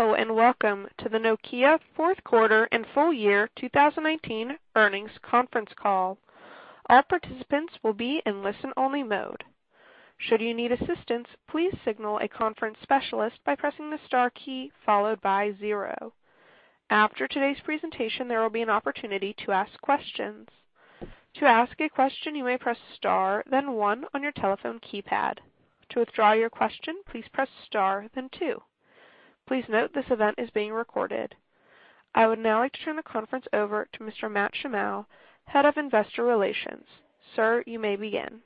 Hello, and welcome to the Nokia fourth quarter and full year 2019 earnings conference call. All participants will be in listen-only mode. Should you need assistance, please signal a conference specialist by pressing the star key followed by zero. After today's presentation, there will be an opportunity to ask questions. To ask a question, you may press star, then one on your telephone keypad. To withdraw your question, please press star then two. Please note this event is being recorded. I would now like to turn the conference over to Mr. Matt Shimao, Head of Investor Relations. Sir, you may begin.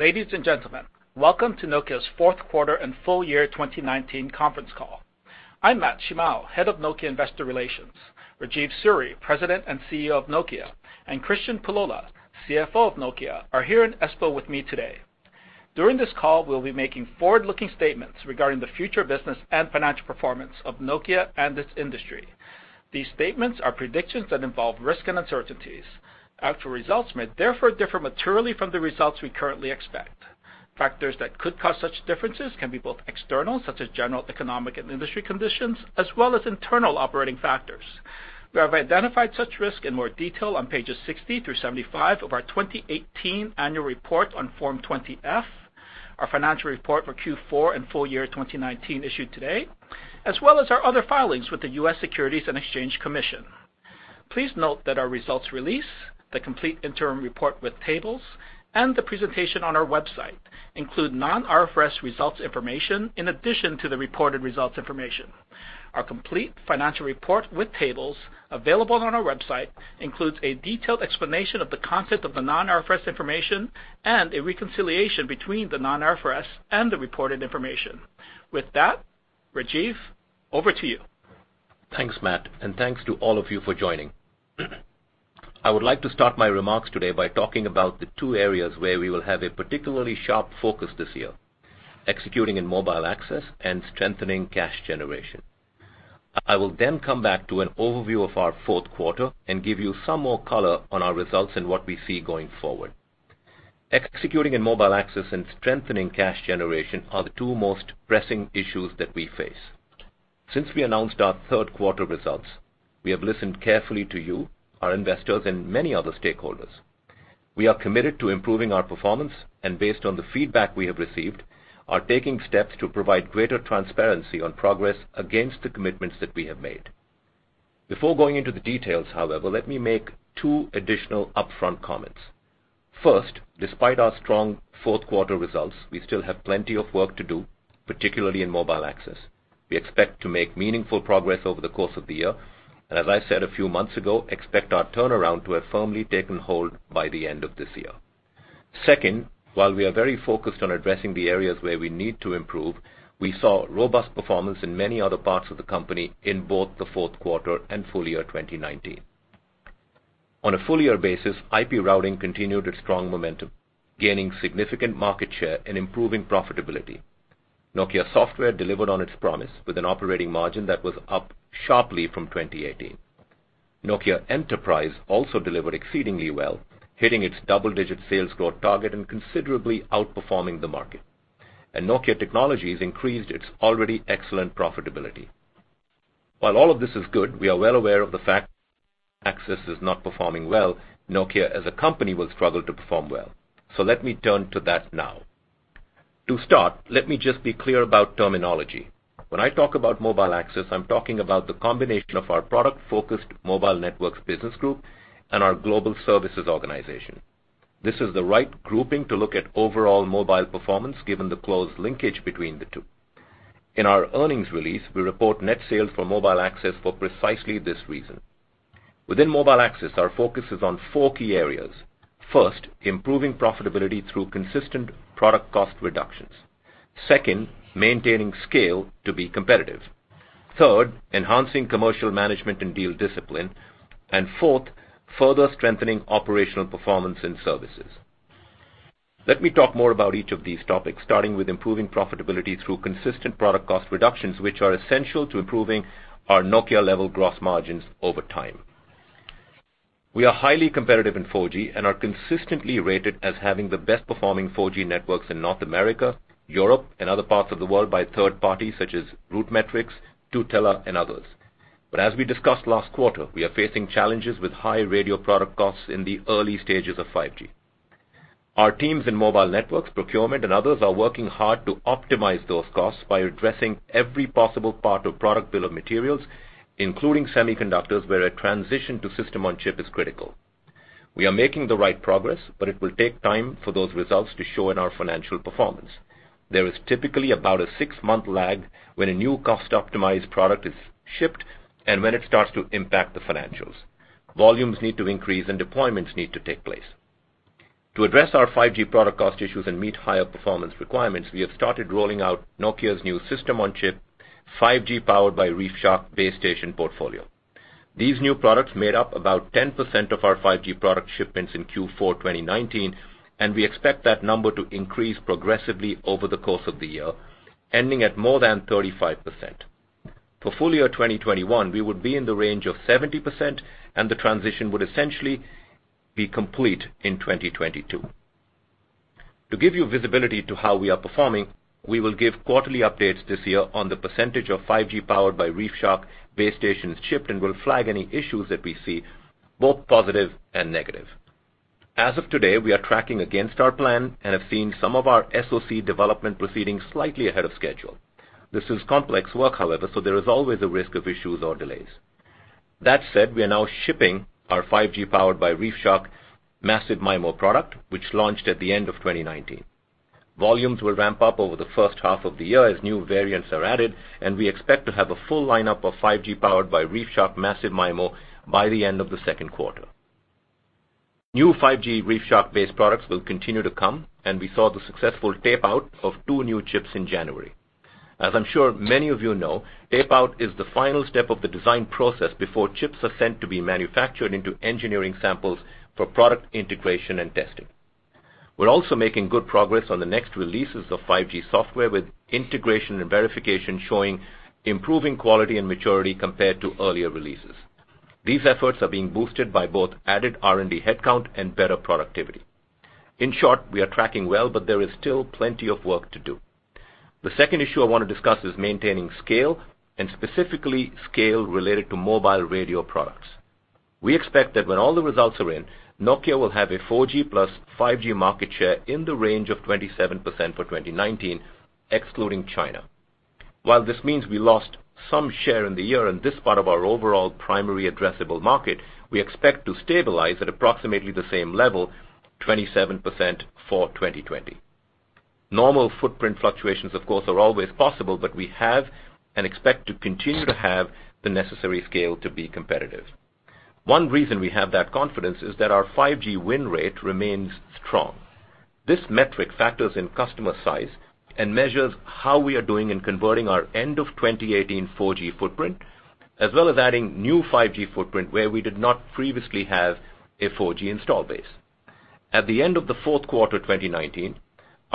Ladies and gentlemen, welcome to Nokia's fourth quarter and full year 2019 conference call. I'm Matt Shimao, Head of Nokia Investor Relations. Rajeev Suri, President and CEO of Nokia, and Kristian Pullola, CFO of Nokia, are here in Espoo with me today. During this call, we'll be making forward-looking statements regarding the future business and financial performance of Nokia and its industry. These statements are predictions that involve risk and uncertainties. Actual results may therefore differ materially from the results we currently expect. Factors that could cause such differences can be both external, such as general economic and industry conditions, as well as internal operating factors. We have identified such risk in more detail on pages 60 through 75 of our 2018 annual report on Form 20-F, our financial report for Q4 and full year 2019 issued today, as well as our other filings with the U.S. Securities and Exchange Commission. Please note that our results release, the complete interim report with tables, and the presentation on our website include non-IRFS results information in addition to the reported results information. Our complete financial report with tables available on our website includes a detailed explanation of the concept of the non-IRFS information and a reconciliation between the non-IRFS and the reported information. With that, Rajeev, over to you. Thanks, Matt, and thanks to all of you for joining. I would like to start my remarks today by talking about the two areas where we will have a particularly sharp focus this year: executing in Mobile Access and strengthening cash generation. I will come back to an overview of our fourth quarter and give you some more color on our results and what we see going forward. Executing in Mobile Access and strengthening cash generation are the two most pressing issues that we face. Since we announced our third quarter results, we have listened carefully to you, our investors, and many other stakeholders. We are committed to improving our performance, and based on the feedback we have received, are taking steps to provide greater transparency on progress against the commitments that we have made. Before going into the details, however, let me make two additional upfront comments. First, despite our strong fourth quarter results, we still have plenty of work to do, particularly in Mobile Access. We expect to make meaningful progress over the course of the year, and as I said a few months ago, expect our turnaround to have firmly taken hold by the end of this year. Second, while we are very focused on addressing the areas where we need to improve, we saw robust performance in many other parts of the company in both the fourth quarter and full year 2019. On a full-year basis, IP routing continued its strong momentum, gaining significant market share and improving profitability. Nokia Software delivered on its promise with an operating margin that was up sharply from 2018. Nokia Enterprise also delivered exceedingly well, hitting its double-digit sales growth target and considerably outperforming the market. Nokia Technologies increased its already excellent profitability. While all of this is good, we are well aware of the fact Access is not performing well. Nokia as a company will struggle to perform well. Let me turn to that now. To start, let me just be clear about terminology. When I talk about Mobile Access, I'm talking about the combination of our product-focused Mobile Networks business group and our Global Services organization. This is the right grouping to look at overall mobile performance given the close linkage between the two. In our earnings release, we report net sales for Mobile Access for precisely this reason. Within Mobile Access, our focus is on four key areas. First, improving profitability through consistent product cost reductions. Second, maintaining scale to be competitive. Third, enhancing commercial management and deal discipline. Fourth, further strengthening operational performance in services. Let me talk more about each of these topics, starting with improving profitability through consistent product cost reductions, which are essential to improving our Nokia-level gross margins over time. We are highly competitive in 4G and are consistently rated as having the best performing 4G networks in North America, Europe, and other parts of the world by third parties such as RootMetrics, Tutela, and others. As we discussed last quarter, we are facing challenges with high radio product costs in the early stages of 5G. Our teams in mobile networks, procurement, and others are working hard to optimize those costs by addressing every possible part of product bill of materials, including semiconductors, where a transition to system-on-chip is critical. We are making the right progress, it will take time for those results to show in our financial performance. There is typically about a six-month lag when a new cost-optimized product is shipped and when it starts to impact the financials. Volumes need to increase, and deployments need to take place. To address our 5G product cost issues and meet higher performance requirements, we have started rolling out Nokia's system-on-chip, 5G Powered by ReefShark base station portfolio. These new products made up about 10% of our 5G product shipments in Q4 2019, and we expect that number to increase progressively over the course of the year, ending at more than 35%. For full year 2021, we will be in the range of 70% and the transition would essentially be complete in 2022. To give you visibility to how we are performing, we will give quarterly updates this year on the percentage of 5G Powered by ReefShark base stations shipped, and we'll flag any issues that we see, both positive and negative. As of today, we are tracking against our plan and have seen some of our SoC development proceeding slightly ahead of schedule. This is complex work, however, there is always a risk of issues or delays. That said, we are now shipping our 5G Powered by ReefShark Massive MIMO product, which launched at the end of 2019. Volumes will ramp up over the first half of the year as new variants are added, we expect to have a full lineup of 5G Powered by ReefShark Massive MIMO by the end of the second quarter. New 5G ReefShark based products will continue to come, and we saw the successful tape-out of two new chips in January. As I'm sure many of you know, tape-out is the final step of the design process before chips are sent to be manufactured into engineering samples for product integration and testing. We're also making good progress on the next releases of 5G software, with integration and verification showing improving quality and maturity compared to earlier releases. These efforts are being boosted by both added R&D headcount and better productivity. In short, we are tracking well, but there is still plenty of work to do. The second issue I want to discuss is maintaining scale, and specifically scale related to mobile radio products. We expect that when all the results are in, Nokia will have a 4G plus 5G market share in the range of 27% for 2019, excluding China. While this means we lost some share in the year in this part of our overall primary addressable market, we expect to stabilize at approximately the same level, 27% for 2020. Normal footprint fluctuations, of course, are always possible, but we have and expect to continue to have the necessary scale to be competitive. One reason we have that confidence is that our 5G win rate remains strong. This metric factors in customer size and measures how we are doing in converting our end of 2018 4G footprint, as well as adding new 5G footprint where we did not previously have a 4G instaled base. At the end of the fourth quarter 2019,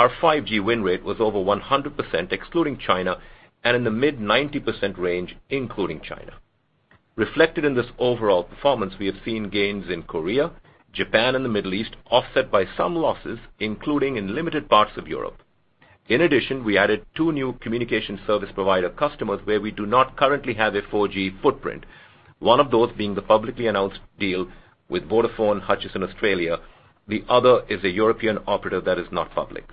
our 5G win rate was over 100%, excluding China, and in the mid-90% range, including China. Reflected in this overall performance, we have seen gains in Korea, Japan, and the Middle East, offset by some losses, including in limited parts of Europe. We added two new communication service provider customers where we do not currently have a 4G footprint, one of those being the publicly announced deal with Vodafone Hutchison Australia. The other is a European operator that is not public.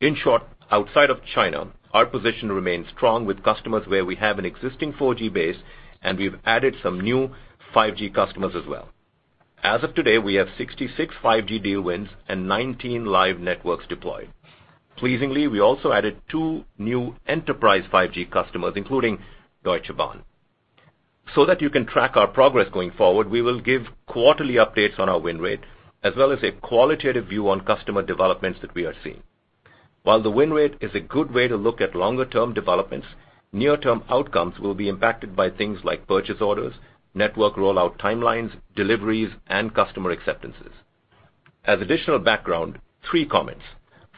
In short, outside of China, our position remains strong with customers where we have an existing 4G base, and we've added some new 5G customers as well. As of today, we have 66 5G deal wins and 19 live networks deployed. Pleasingly, we also added two new Enterprise 5G customers, including Deutsche Bahn. That you can track our progress going forward, we will give quarterly updates on our win rate, as well as a qualitative view on customer developments that we are seeing. While the win rate is a good way to look at longer-term developments, near-term outcomes will be impacted by things like purchase orders, network rollout timelines, deliveries, and customer acceptances. As additional background, three comments.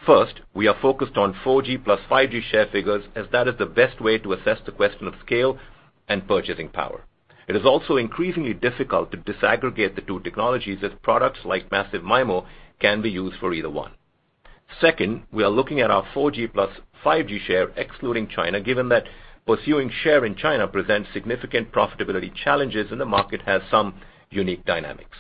First, we are focused on 4G plus 5G share figures as that is the best way to assess the question of scale and purchasing power. It is also increasingly difficult to disaggregate the two technologies as products like Massive MIMO can be used for either one. Second, we are looking at our 4G plus 5G share excluding China, given that pursuing share in China presents significant profitability challenges and the market has some unique dynamics.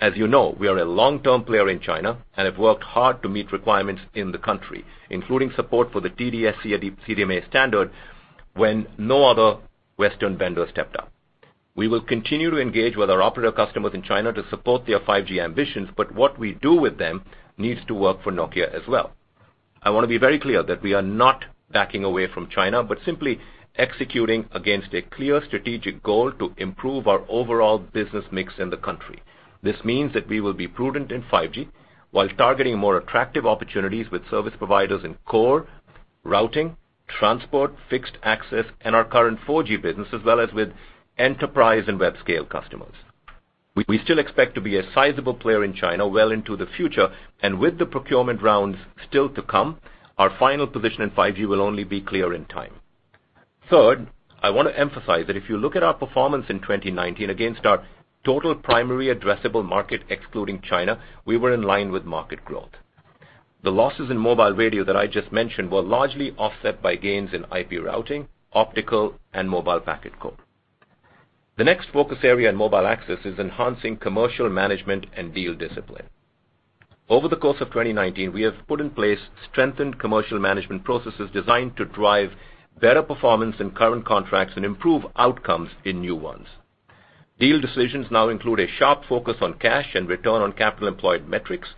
As you know, we are a long-term player in China and have worked hard to meet requirements in the country, including support for the TD-SCDMA standard when no other Western vendor stepped up. We will continue to engage with our operator customers in China to support their 5G ambitions, but what we do with them needs to work for Nokia as well. I want to be very clear that we are not backing away from China, but simply executing against a clear strategic goal to improve our overall business mix in the country. This means that we will be prudent in 5G while targeting more attractive opportunities with service providers in core, routing, transport, fixed access, and our current 4G business, as well as with enterprise and web-scale customers. We still expect to be a sizable player in China well into the future, and with the procurement rounds still to come, our final position in 5G will only be clear in time. Third, I want to emphasize that if you look at our performance in 2019 against our total primary addressable market excluding China, we were in line with market growth. The losses in mobile radio that I just mentioned were largely offset by gains in IP routing, optical, and mobile packet core. The next focus area in Mobile Access is enhancing commercial management and deal discipline. Over the course of 2019, we have put in place strengthened commercial management processes designed to drive better performance in current contracts and improve outcomes in new ones. Deal decisions now include a sharp focus on cash and return on capital employed metrics,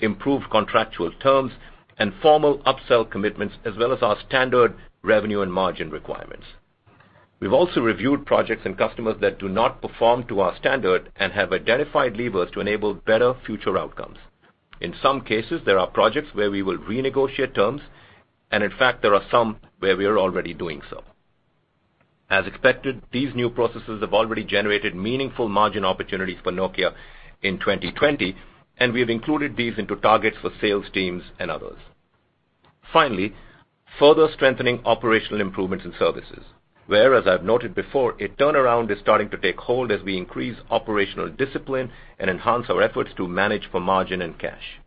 improved contractual terms, and formal upsell commitments, as well as our standard revenue and margin requirements. We've also reviewed projects and customers that do not perform to our standard and have identified levers to enable better future outcomes. In some cases, there are projects where we will renegotiate terms, and in fact, there are some where we are already doing so. As expected, these new processes have already generated meaningful margin opportunities for Nokia in 2020, and we have included these into targets for sales teams and others. Finally, further strengthening operational improvements in services, where, as I've noted before, a turnaround is starting to take hold as we increase operational discipline and enhance our efforts to manage for margin and cash.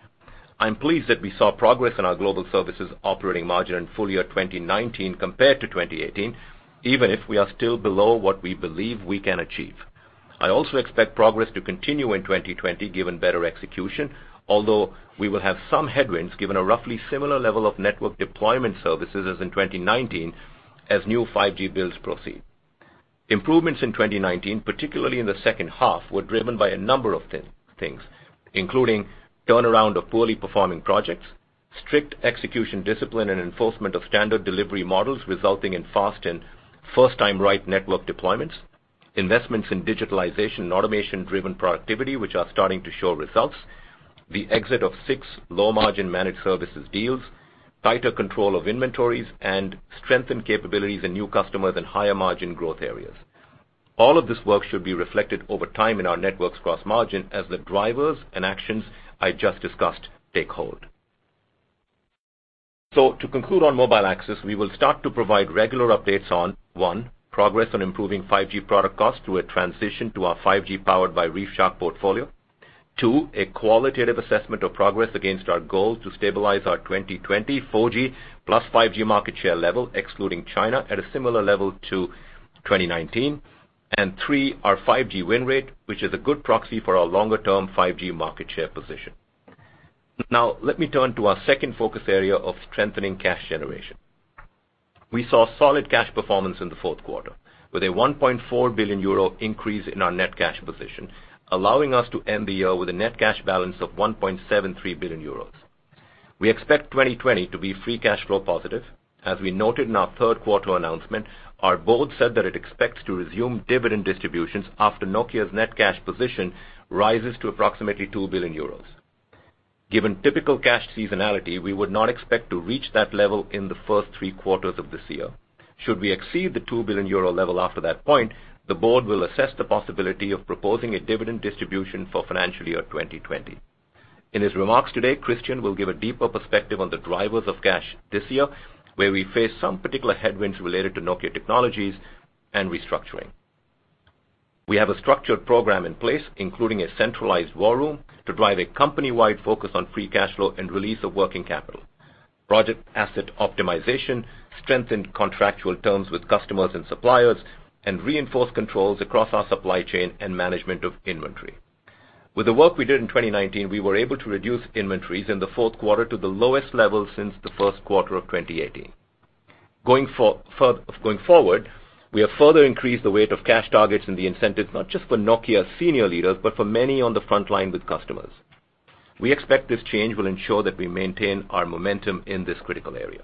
I'm pleased that we saw progress in our Global Services operating margin in full year 2019 compared to 2018, even if we are still below what we believe we can achieve. I also expect progress to continue in 2020 given better execution, although we will have some headwinds given a roughly similar level of network deployment services as in 2019, as new 5G builds proceed. Improvements in 2019, particularly in the second half, were driven by a number of things, including turnaround of poorly performing projects, strict execution discipline and enforcement of standard delivery models resulting in fast and first-time right network deployments, investments in digitalization and automation-driven productivity, which are starting to show results, the exit of six low-margin managed services deals, tighter control of inventories, and strengthened capabilities in new customers and higher-margin growth areas. All of this work should be reflected over time in our networks across margin as the drivers and actions I just discussed take hold. To conclude on Mobile Access, we will start to provide regular updates on, one, progress on improving 5G product cost through a transition to our 5G Powered by ReefShark portfolio. Two, a qualitative assessment of progress against our goal to stabilize our 2020 4G plus 5G market share level, excluding China, at a similar level to 2019. Three, our 5G win rate, which is a good proxy for our longer-term 5G market share position. Let me turn to our second focus area of strengthening cash generation. We saw solid cash performance in the fourth quarter with a 1.4 billion euro increase in our net cash position, allowing us to end the year with a net cash balance of 1.73 billion euros. We expect 2020 to be free cash flow positive. As we noted in our third quarter announcement, our board said that it expects to resume dividend distributions after Nokia's net cash position rises to approximately 2 billion euros. Given typical cash seasonality, we would not expect to reach that level in the first three quarters of this year. Should we exceed the 2 billion euro level after that point, the Board will assess the possibility of proposing a dividend distribution for financial year 2020. In his remarks today, Kristian will give a deeper perspective on the drivers of cash this year, where we face some particular headwinds related to Nokia Technologies and restructuring. We have a structured program in place, including a centralized war room, to drive a company-wide focus on free cash flow and release of working capital, project asset optimization, strengthened contractual terms with customers and suppliers, and reinforced controls across our supply chain and management of inventory. With the work we did in 2019, we were able to reduce inventories in the fourth quarter to the lowest level since the first quarter of 2018. Going forward, we have further increased the weight of cash targets and the incentives, not just for Nokia senior leaders, but for many on the frontline with customers. We expect this change will ensure that we maintain our momentum in this critical area.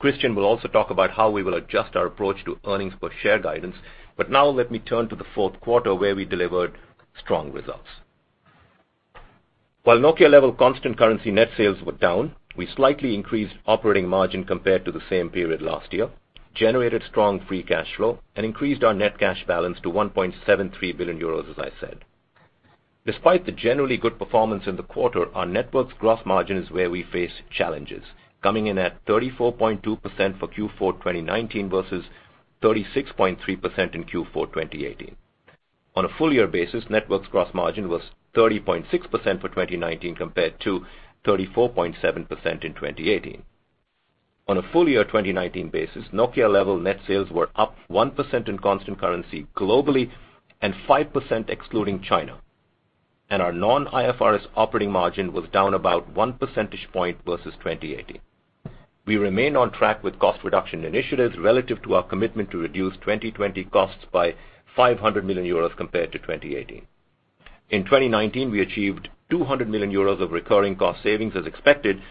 Kristian will also talk about how we will adjust our approach to earnings per share guidance. Let me turn to the fourth quarter where we delivered strong results. While Nokia level constant currency net sales were down, we slightly increased operating margin compared to the same period last year, generated strong free cash flow, and increased our net cash balance to 1.73 billion euros, as I said. Despite the generally good performance in the quarter, our Networks gross margin is where we face challenges, coming in at 34.2% for Q4 2019 versus 36.3% in Q4 2018. On a full-year basis, Networks gross margin was 30.6% for 2019 compared to 34.7% in 2018. On a full year 2019 basis, Nokia-level net sales were up 1% in constant currency globally and 5% excluding China. Our non-IFRS operating margin was down about 1 percentage point versus 2018. We remain on track with cost reduction initiatives relative to our commitment to reduce 2020 costs by 500 million euros compared to 2018. In 2019, we achieved 200 million euros of recurring cost savings as expected,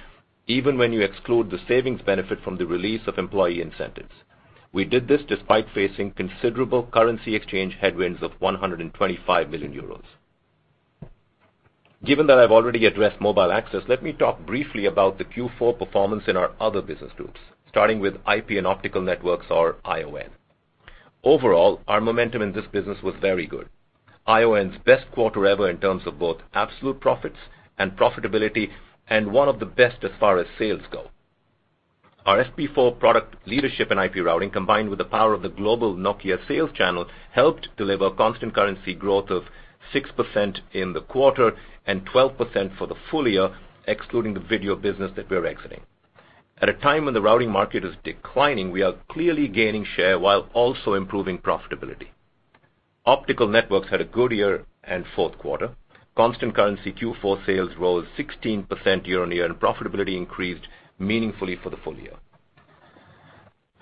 even when you exclude the savings benefit from the release of employee incentives. We did this despite facing considerable currency exchange headwinds of 125 million euros. Given that I've already addressed Mobile Access, let me talk briefly about the Q4 performance in our other business groups, starting with IP and Optical Networks or ION. Overall, our momentum in this business was very good. ION's best quarter ever in terms of both absolute profits and profitability, and one of the best as far as sales go. Our FP4 product leadership in IP routing, combined with the power of the global Nokia sales channel, helped deliver constant currency growth of 6% in the quarter and 12% for the full year, excluding the video business that we're exiting. At a time when the routing market is declining, we are clearly gaining share while also improving profitability. Optical Networks had a good year and fourth quarter. Constant currency Q4 sales rose 16% year-over-year, and profitability increased meaningfully for the full year.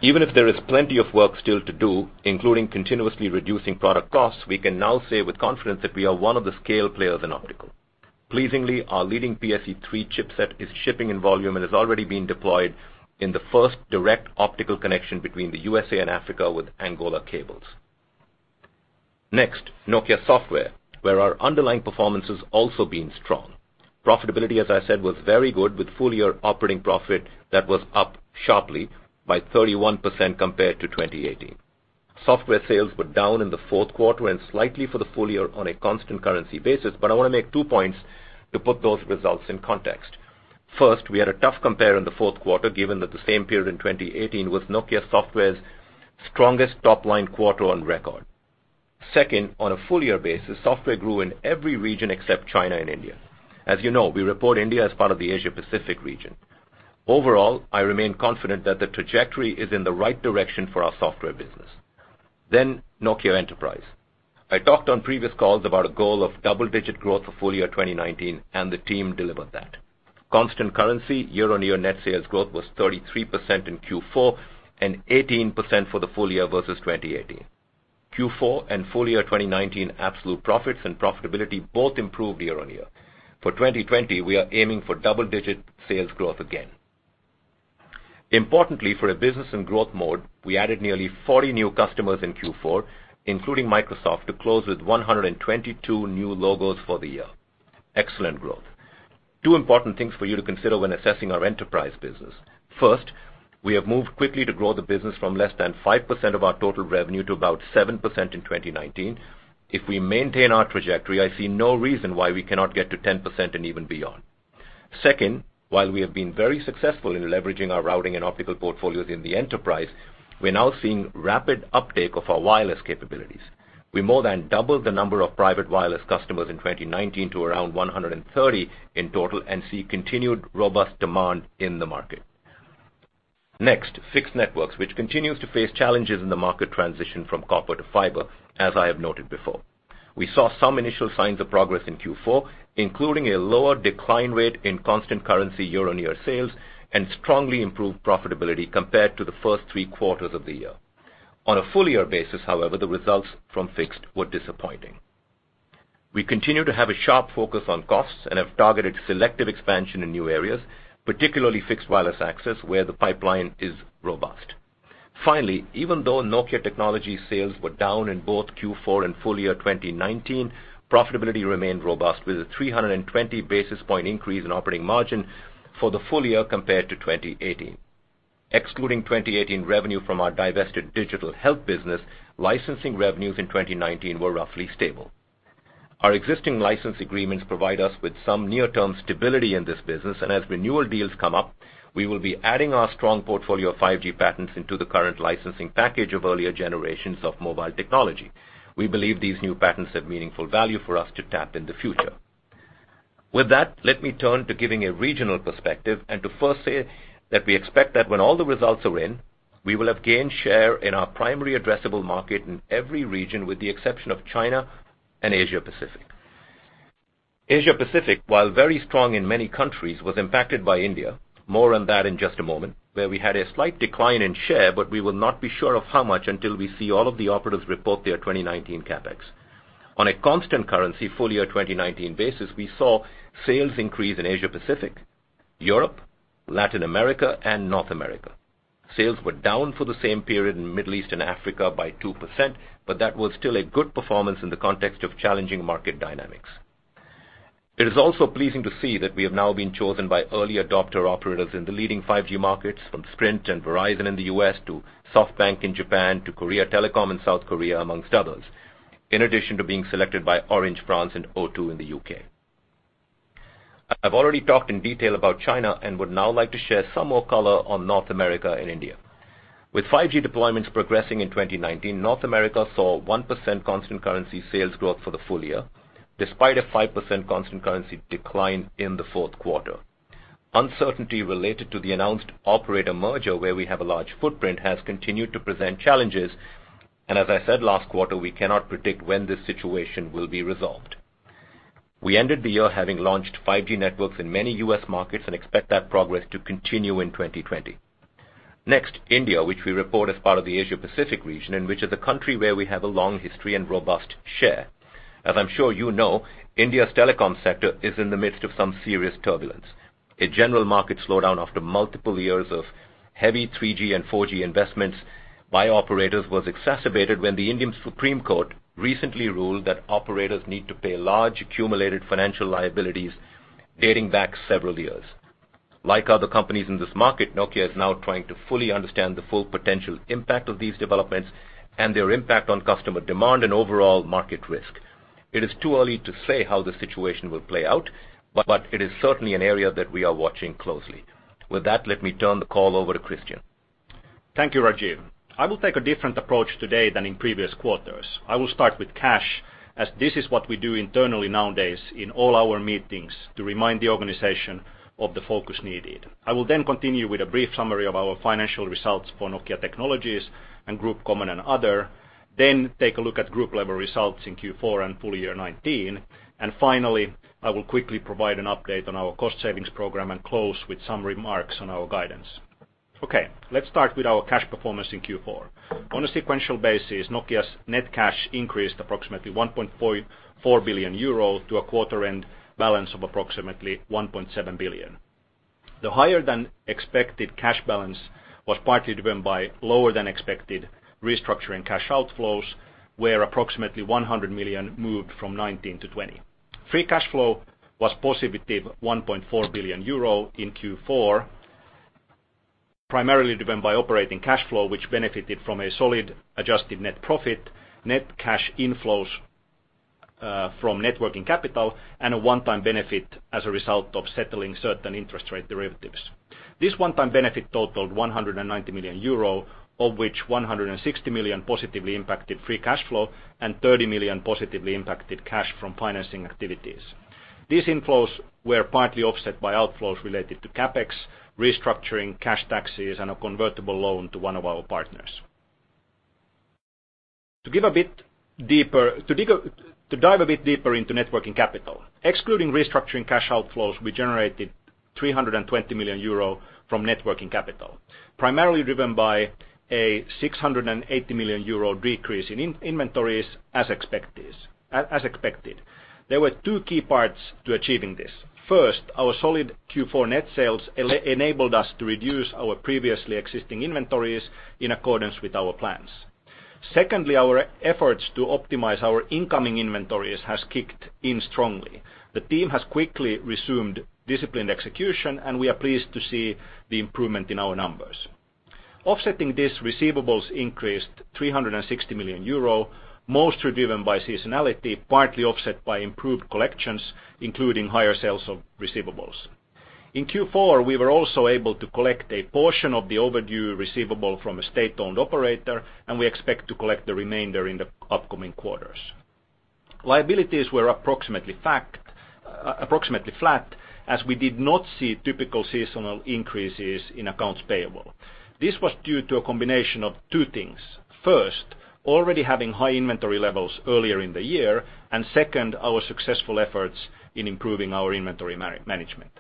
Even if there is plenty of work still to do, including continuously reducing product costs, we can now say with confidence that we are one of the scale players in optical. Pleasingly, our leading PSE-3 chipset is shipping in volume and is already being deployed in the first direct optical connection between the U.S.A. and Africa with Angola Cables. Next, Nokia Software, where our underlying performance has also been strong. Profitability, as I said, was very good with full-year operating profit that was up sharply by 31% compared to 2018. Software sales were down in the fourth quarter and slightly for the full year on a constant currency basis. I want to make two points to put those results in context. First, we had a tough compare in the fourth quarter, given that the same period in 2018 was Nokia Software's strongest top-line quarter on record. Second, on a full-year basis, Software grew in every region except China and India. As you know, we report India as part of the Asia-Pacific region. Overall, I remain confident that the trajectory is in the right direction for our Software business. Nokia Enterprise. I talked on previous calls about a goal of double-digit growth for full year 2019. The team delivered that. Constant currency year-on-year net sales growth was 33% in Q4 and 18% for the full year versus 2018. Q4 and full year 2019 absolute profits and profitability both improved year-on-year. For 2020, we are aiming for double-digit sales growth again. Importantly, for a business in growth mode, we added nearly 40 new customers in Q4, including Microsoft, to close with 122 new logos for the year. Excellent growth. Two important things for you to consider when assessing our enterprise business. First, we have moved quickly to grow the business from less than 5% of our total revenue to about 7% in 2019. If we maintain our trajectory, I see no reason why we cannot get to 10% and even beyond. Second, while we have been very successful in leveraging our routing and optical portfolios in the Enterprise, we are now seeing rapid uptake of our wireless capabilities. We more than doubled the number of private wireless customers in 2019 to around 130 in total and see continued robust demand in the market. Next, Fixed Networks, which continues to face challenges in the market transition from copper to fiber, as I have noted before. We saw some initial signs of progress in Q4, including a lower decline rate in constant currency year-on-year sales and strongly improved profitability compared to the first three quarters of the year. On a full-year basis, however, the results from Fixed were disappointing. We continue to have a sharp focus on costs and have targeted selective expansion in new areas, particularly fixed wireless access, where the pipeline is robust. Finally, even though Nokia technology sales were down in both Q4 and full year 2019, profitability remained robust with a 320-basis point increase in operating margin for the full year compared to 2018. Excluding 2018 revenue from our divested digital health business, licensing revenues in 2019 were roughly stable. Our existing license agreements provide us with some near-term stability in this business, and as renewal deals come up, we will be adding our strong portfolio of 5G patents into the current licensing package of earlier generations of mobile technology. We believe these new patents have meaningful value for us to tap in the future. With that, let me turn to giving a regional perspective and to first say that we expect that when all the results are in, we will have gained share in our primary addressable market in every region with the exception of China and Asia-Pacific. Asia-Pacific, while very strong in many countries, was impacted by India. More on that in just a moment. Where we had a slight decline in share, we will not be sure of how much until we see all of the operators report their 2019 CapEx. On a constant currency full year 2019 basis, we saw sales increase in Asia-Pacific, Europe, Latin America, and North America. Sales were down for the same period in Middle East and Africa by 2%, that was still a good performance in the context of challenging market dynamics. It is also pleasing to see that we have now been chosen by early adopter operators in the leading 5G markets from Sprint and Verizon in the U.S. to SoftBank in Japan to Korea Telecom in South Korea, amongst others, in addition to being selected by Orange France and O2 in the U.K. I've already talked in detail about China and would now like to share some more color on North America and India. With 5G deployments progressing in 2019, North America saw 1% constant currency sales growth for the full year, despite a 5% constant currency decline in the fourth quarter. Uncertainty related to the announced operator merger, where we have a large footprint, has continued to present challenges. As I said last quarter, we cannot predict when this situation will be resolved. We ended the year having launched 5G networks in many U.S. markets and expect that progress to continue in 2020. Next, India, which we report as part of the Asia-Pacific region and which is a country where we have a long history and robust share. As I'm sure you know, India's telecom sector is in the midst of some serious turbulence. A general market slowdown after multiple years of heavy 3G and 4G investments by operators was exacerbated when the Indian Supreme Court recently ruled that operators need to pay large accumulated financial liabilities dating back several years. Like other companies in this market, Nokia is now trying to fully understand the full potential impact of these developments and their impact on customer demand and overall market risk. It is too early to say how the situation will play out, but it is certainly an area that we are watching closely. With that, let me turn the call over to Kristian. Thank you, Rajeev. I will take a different approach today than in previous quarters. I will start with cash, as this is what we do internally nowadays in all our meetings to remind the organization of the focus needed. I will then continue with a brief summary of our financial results for Nokia Technologies and Group Common and Other, then take a look at group-level results in Q4 and full year 2019. Finally, I will quickly provide an update on our cost savings program and close with some remarks on our guidance. Let's start with our cash performance in Q4. On a sequential basis, Nokia's net cash increased approximately 1.4 billion euro to a quarter-end balance of approximately 1.7 billion. The higher-than-expected cash balance was partly driven by lower-than-expected restructuring cash outflows, where approximately 100 million moved from 2019 to 2020. Free cash flow was positive 1.4 billion euro in Q4, primarily driven by operating cash flow, which benefited from a solid adjusted net profit, net cash inflows from net working capital, and a one-time benefit as a result of settling certain interest rate derivatives. This one-time benefit totaled 190 million euro, of which 160 million positively impacted free cash flow and 30 million positively impacted cash from financing activities. These inflows were partly offset by outflows related to CapEx, restructuring cash taxes, and a convertible loan to one of our partners. To dive a bit deeper into net working capital. Excluding restructuring cash outflows, we generated 320 million euro from net working capital, primarily driven by a 680 million euro decrease in inventories as expected. There were two key parts to achieving this. First, our solid Q4 net sales enabled us to reduce our previously existing inventories in accordance with our plans. Secondly, our efforts to optimize our incoming inventories has kicked in strongly. The team has quickly resumed disciplined execution, and we are pleased to see the improvement in our numbers. Offsetting these receivables increased 360 million euro, most were driven by seasonality, partly offset by improved collections, including higher sales of receivables. In Q4, we were also able to collect a portion of the overdue receivable from a state-owned operator, and we expect to collect the remainder in the upcoming quarters. Liabilities were approximately flat, as we did not see typical seasonal increases in accounts payable. This was due to a combination of two things. First, already having high inventory levels earlier in the year, and second, our successful efforts in improving our inventory management.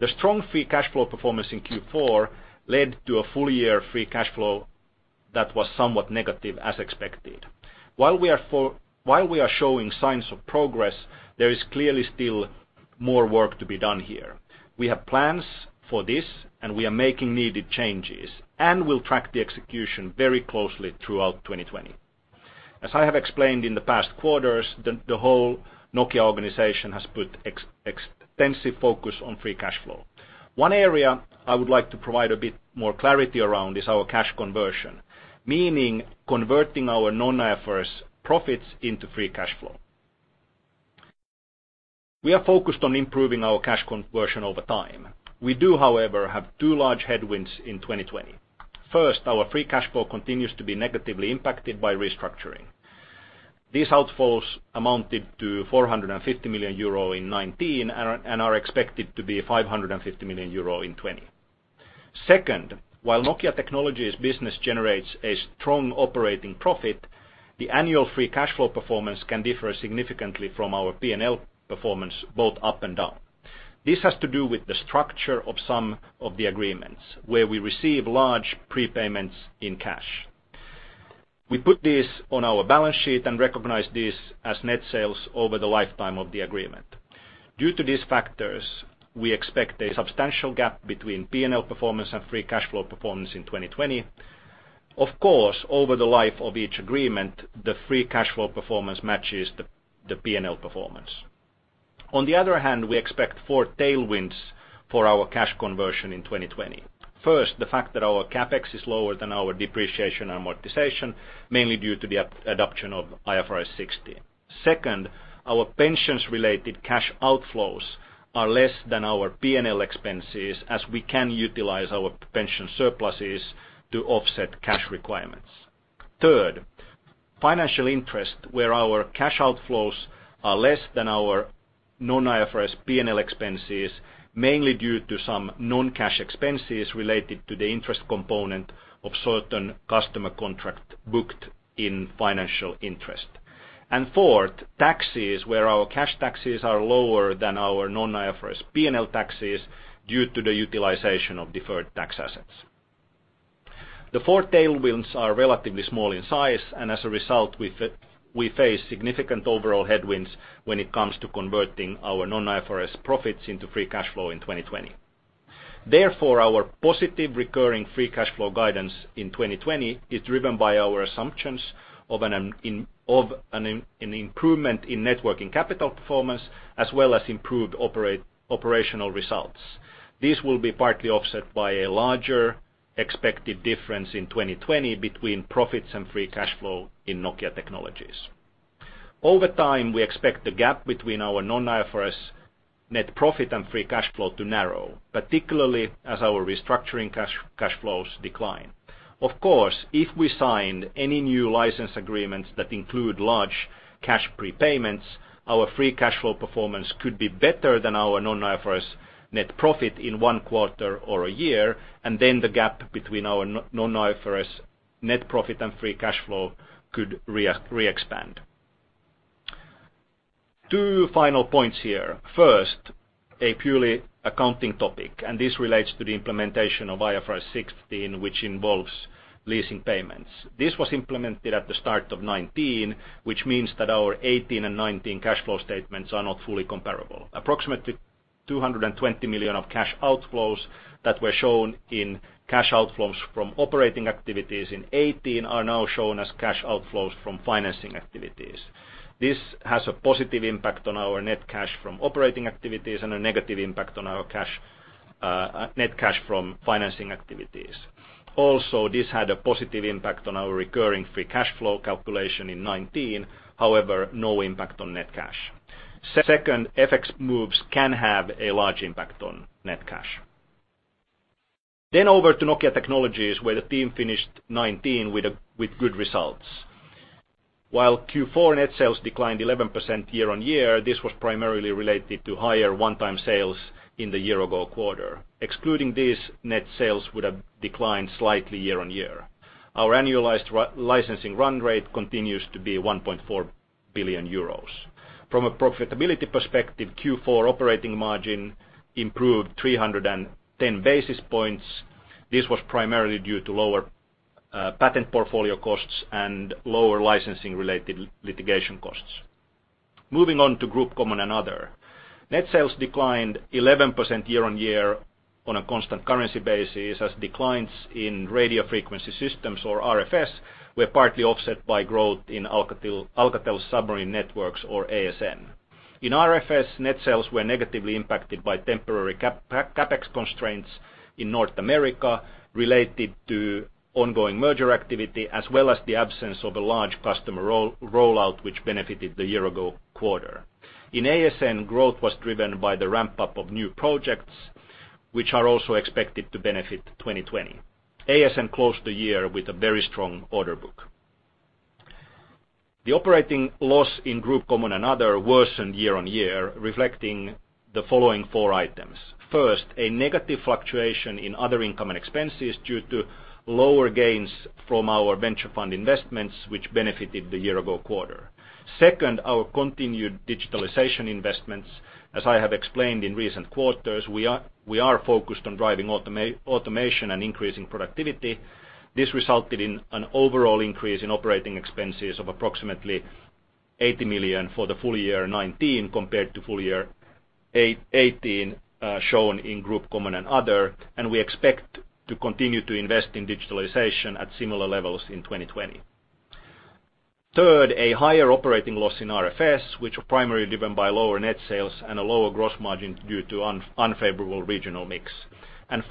The strong free cash flow performance in Q4 led to a full-year free cash flow that was somewhat negative as expected. While we are showing signs of progress, there is clearly still more work to be done here. We have plans for this and we are making needed changes, and we'll track the execution very closely throughout 2020. As I have explained in the past quarters, the whole Nokia organization has put extensive focus on free cash flow. One area I would like to provide a bit more clarity around is our cash conversion, meaning converting our non-IFRS profits into free cash flow. We are focused on improving our cash conversion over time. We do, however, have two large headwinds in 2020. First, our free cash flow continues to be negatively impacted by restructuring. These outflows amounted to 450 million euro in 2019 and are expected to be 550 million euro in 2020. Second, while Nokia Technologies business generates a strong operating profit, the annual free cash flow performance can differ significantly from our P&L performance, both up and down. This has to do with the structure of some of the agreements where we receive large prepayments in cash. We put this on our balance sheet and recognize this as net sales over the lifetime of the agreement. Due to these factors, we expect a substantial gap between P&L performance and free cash flow performance in 2020. Of course, over the life of each agreement, the free cash flow performance matches the P&L performance. On the other hand, we expect four tailwinds for our cash conversion in 2020. First, the fact that our CapEx is lower than our depreciation and amortization, mainly due to the adoption of IFRS 16. Second, our pensions-related cash outflows are less than our P&L expenses as we can utilize our pension surpluses to offset cash requirements. Third, financial interest where our cash outflows are less than our non-IFRS P&L expenses, mainly due to some non-cash expenses related to the interest component of certain customer contract booked in financial interest. Fourth, taxes, where our cash taxes are lower than our non-IFRS P&L taxes due to the utilization of deferred tax assets. The four tailwinds are relatively small in size, and as a result, we face significant overall headwinds when it comes to converting our non-IFRS profits into free cash flow in 2020. Therefore, our positive recurring free cash flow guidance in 2020 is driven by our assumptions of an improvement in net working capital performance, as well as improved operational results. This will be partly offset by a larger expected difference in 2020 between profits and free cash flow in Nokia Technologies. Over time, we expect the gap between our non-IFRS net profit and free cash flow to narrow, particularly as our restructuring cash flows decline. Of course, if we sign any new license agreements that include large cash prepayments, our free cash flow performance could be better than our non-IFRS net profit in one quarter or a year, and then the gap between our non-IFRS net profit and free cash flow could re-expand. Two final points here. First, a purely accounting topic, and this relates to the implementation of IFRS 16, which involves leasing payments. This was implemented at the start of 2019, which means that our 2018 and 2019 cash flow statements are not fully comparable. Approximately 220 million of cash outflows that were shown in cash outflows from operating activities in 2018 are now shown as cash outflows from financing activities. This has a positive impact on our net cash from operating activities and a negative impact on our net cash from financing activities. Also, this had a positive impact on our recurring free cash flow calculation in 2019, however, no impact on net cash. Second, FX moves can have a large impact on net cash. Over to Nokia Technologies, where the team finished 2019 with good results. While Q4 net sales declined 11% year-on-year, this was primarily related to higher one-time sales in the year-ago quarter. Excluding this, net sales would have declined slightly year-on-year. Our annualized licensing run rate continues to be 1.4 billion euros. From a profitability perspective, Q4 operating margin improved 310 basis points. This was primarily due to lower patent portfolio costs and lower licensing-related litigation costs. Moving on to Group Common and Other. Net sales declined 11% year-on-year on a constant currency basis as declines in Radio Frequency Systems, or RFS, were partly offset by growth in Alcatel Submarine Networks, or ASN. In RFS, net sales were negatively impacted by temporary CapEx constraints in North America related to ongoing merger activity, as well as the absence of a large customer rollout, which benefited the year-ago quarter. In ASN, growth was driven by the ramp-up of new projects, which are also expected to benefit 2020. ASN closed the year with a very strong order book. The operating loss in Group Common and Other worsened year-on-year, reflecting the following four items. First, a negative fluctuation in other income and expenses due to lower gains from our venture fund investments, which benefited the year-ago quarter. Second, our continued digitalization investments. As I have explained in recent quarters, we are focused on driving automation and increasing productivity. This resulted in an overall increase in operating expenses of approximately 80 million for the full year 2019 compared to full year 2018, shown in Group Common and Other, and we expect to continue to invest in digitalization at similar levels in 2020. Third, a higher operating loss in RFS, which was primarily driven by lower net sales and a lower gross margin due to unfavorable regional mix.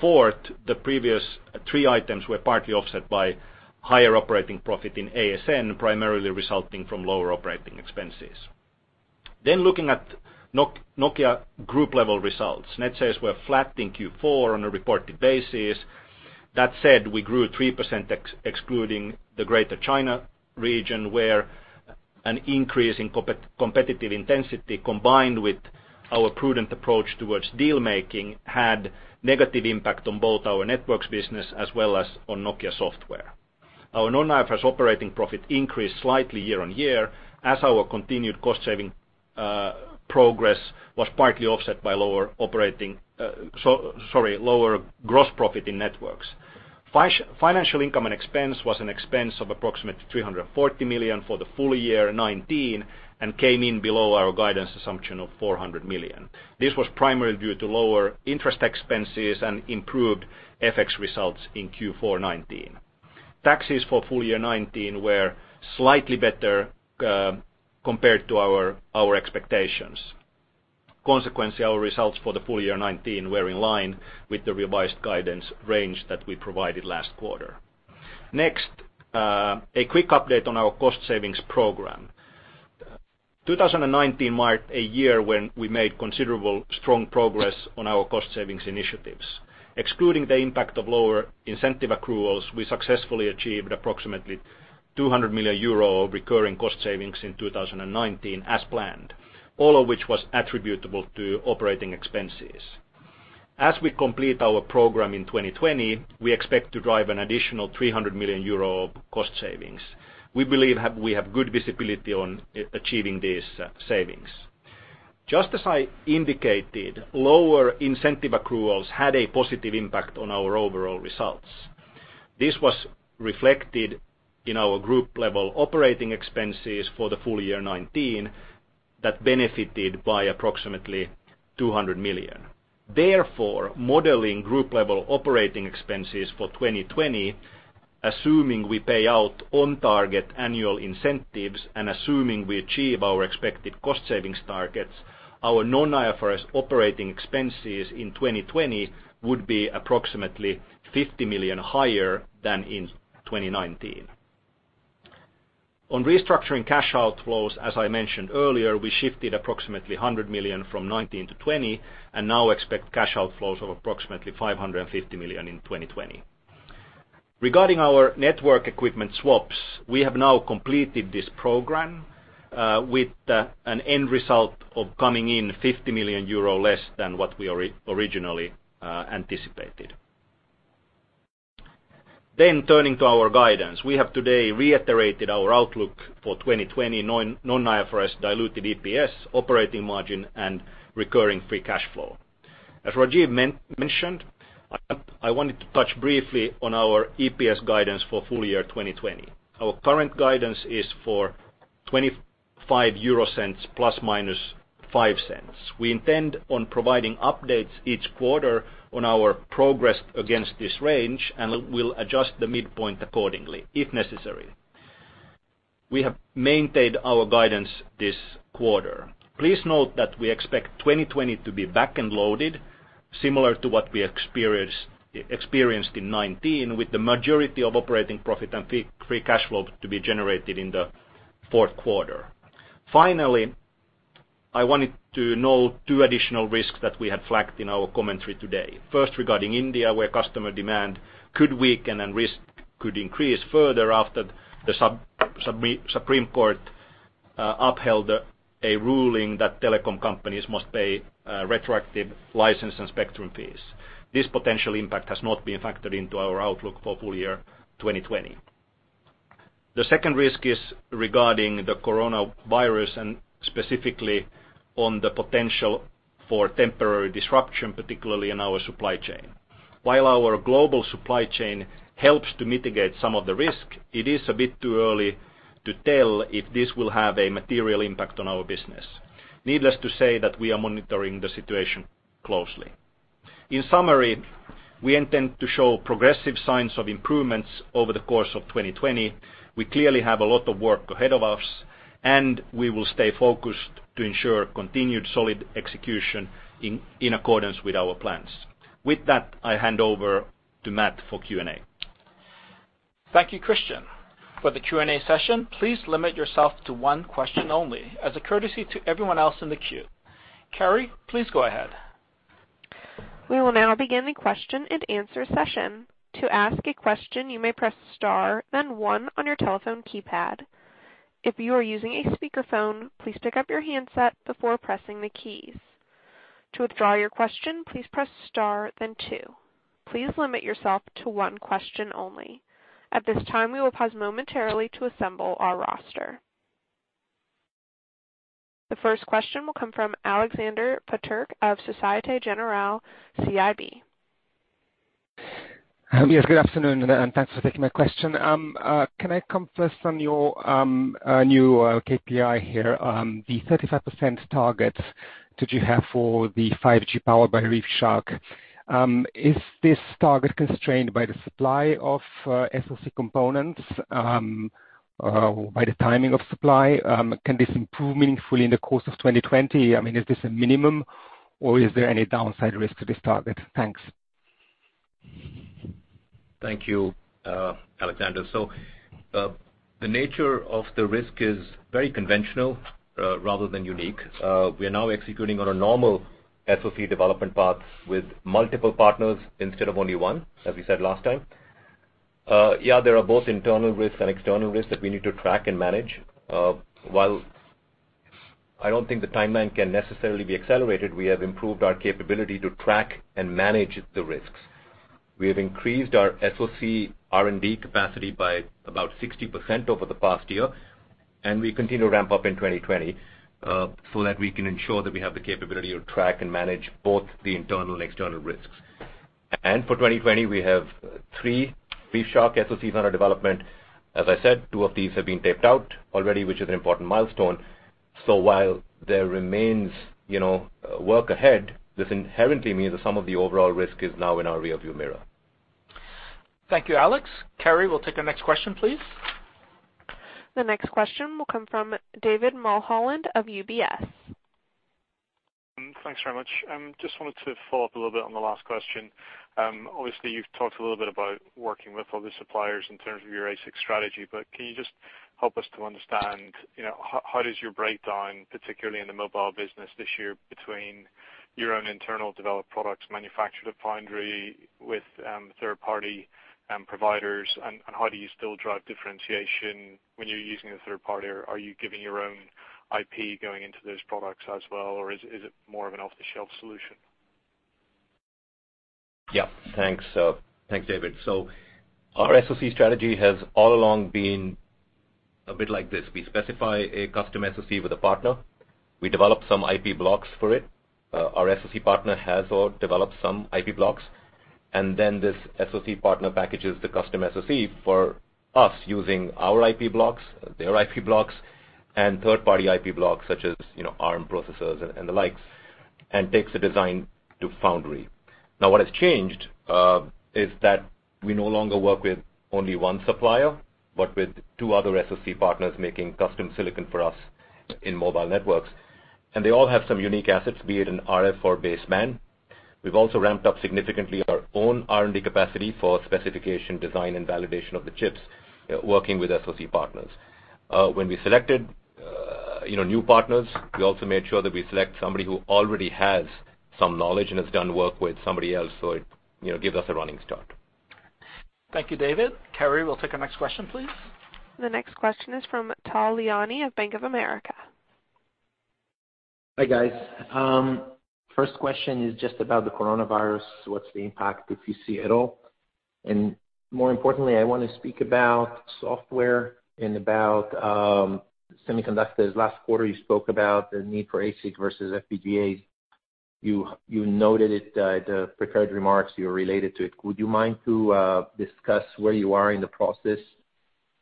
Fourth, the previous three items were partly offset by higher operating profit in ASN, primarily resulting from lower operating expenses. Looking at Nokia group-level results. Net sales were flat in Q4 on a reported basis. That said, we grew 3% excluding the Greater China region, where an increase in competitive intensity, combined with our prudent approach towards deal-making, had negative impact on both our Networks business as well as on Nokia Software. Our non-IFRS operating profit increased slightly year-on-year as our continued cost-saving progress was partly offset by lower gross profit in Networks. Financial income and expense was an expense of approximately 340 million for the full year 2019 and came in below our guidance assumption of 400 million. This was primarily due to lower interest expenses and improved FX results in Q4 2019. Taxes for full year 2019 were slightly better compared to our expectations. Consequently, our results for the full year 2019 were in line with the revised guidance range that we provided last quarter. Next, a quick update on our cost savings program. 2019 marked a year when we made considerable strong progress on our cost savings initiatives. Excluding the impact of lower incentive accruals, we successfully achieved approximately 200 million euro of recurring cost savings in 2019 as planned, all of which was attributable to operating expenses. As we complete our program in 2020, we expect to drive an additional 300 million euro of cost savings. We believe we have good visibility on achieving these savings. Just as I indicated, lower incentive accruals had a positive impact on our overall results. This was reflected in our group-level operating expenses for the full year 2019 that benefited by approximately 200 million. Therefore, modeling group-level operating expenses for 2020, assuming we pay out on-target annual incentives and assuming we achieve our expected cost savings targets, our non-IFRS operating expenses in 2020 would be approximately 50 million higher than in 2019. On restructuring cash outflows, as I mentioned earlier, we shifted approximately 100 million from 2019 to 2020 and now expect cash outflows of approximately 550 million in 2020. Regarding our network equipment swaps, we have now completed this program with an end result of coming in 50 million euro less than what we originally anticipated. Turning to our guidance. We have today reiterated our outlook for 2020 non-IFRS diluted EPS, operating margin, and recurring free cash flow. As Rajeev mentioned, I wanted to touch briefly on our EPS guidance for full year 2020. Our current guidance is for 0.25 ± 0.05. We intend on providing updates each quarter on our progress against this range, and we'll adjust the midpoint accordingly, if necessary. We have maintained our guidance this quarter. Please note that we expect 2020 to be back-end loaded, similar to what we experienced in 2019, with the majority of operating profit and free cash flow to be generated in the fourth quarter. I wanted to note two additional risks that we had flagged in our commentary today. Regarding India, where customer demand could weaken, and risk could increase further after the Supreme Court upheld a ruling that telecom companies must pay retroactive license and spectrum fees. This potential impact has not been factored into our outlook for full year 2020. The second risk is regarding the coronavirus and specifically on the potential for temporary disruption, particularly in our supply chain. Our global supply chain helps to mitigate some of the risk, it is a bit too early to tell if this will have a material impact on our business. Needless to say that we are monitoring the situation closely. In summary, we intend to show progressive signs of improvements over the course of 2020. We clearly have a lot of work ahead of us, and we will stay focused to ensure continued solid execution in accordance with our plans. With that, I hand over to Matt for Q&A. Thank you, Kristian. For the Q&A session, please limit yourself to one question only as a courtesy to everyone else in the queue. Carrie, please go ahead. We will now begin the question-and-answer session. To ask a question, you may press star, then one on your telephone keypad. If you are using a speakerphone, please pick up your handset before pressing the keys. To withdraw your question, please press star, then two. Please limit yourself to one question only. At this time, we will pause momentarily to assemble our roster. The first question will come from Aleksander Peterc of Societe Generale CIB. Yes, good afternoon, thanks for taking my question. Can I come first on your new KPI here? The 35% target that you have for the 5G Powered by ReefShark. Is this target constrained by the supply of SoC components? By the timing of supply? Can this improve meaningfully in the course of 2020? Is this a minimum or is there any downside risk to this target? Thanks. Thank you, Aleksander. The nature of the risk is very conventional rather than unique. We are now executing on a normal SoC development path with multiple partners instead of only one, as we said last time. Yeah, there are both internal risks and external risks that we need to track and manage. While I don't think the timeline can necessarily be accelerated, we have improved our capability to track and manage the risks. We have increased our SoC R&D capacity by about 60% over the past year, and we continue to ramp up in 2020 so that we can ensure that we have the capability to track and manage both the internal and external risks. For 2020, we have three ReefShark SoCs under development. As I said, two of these have been taped out already, which is an important milestone. While there remains work ahead, this inherently means that some of the overall risk is now in our rear-view mirror. Thank you, Alex. Carrie, we'll take the next question, please. The next question will come from David Mulholland of UBS. Thanks very much. Just wanted to follow up a little bit on the last question. Obviously, you've talked a little bit about working with other suppliers in terms of your ASIC strategy, but can you just help us to understand how does your breakdown, particularly in the mobile business this year, between your own internal developed products manufactured at foundry with third-party providers, and how do you still drive differentiation when you're using a third party? Are you giving your own IP going into those products as well, or is it more of an off-the-shelf solution? Thanks, David. Our SoC strategy has all along been a bit like this. We specify a custom SoC with a partner. We develop some IP blocks for it. Our SoC partner has or develops some IP blocks, and then this SoC partner packages the custom SoC for us using our IP blocks, their IP blocks, and third-party IP blocks such as Arm processors and the likes, and takes the design to foundry. Now, what has changed is that we no longer work with only one supplier, but with two other SoC partners making custom silicon for us in Mobile Networks. They all have some unique assets, be it an RF or baseband. We've also ramped up significantly our own R&D capacity for specification, design, and validation of the chips, working with SoC partners. When we selected new partners, we also made sure that we select somebody who already has some knowledge and has done work with somebody else, so it gives us a running start. Thank you, David. Carrie, we'll take our next question, please. The next question is from Tal Liani of Bank of America. Hi, guys. First question is just about the coronavirus, what's the impact, if you see it all? More importantly, I want to speak about software and about semiconductors. Last quarter, you spoke about the need for ASIC versus FPGA. You noted it, the prepared remarks, you related to it. Would you mind to discuss where you are in the process,